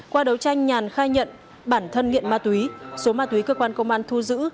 qua đấu tranh nhàn khai nhận bản thân nghiện ma túy số ma túy cơ quan công an thu giữ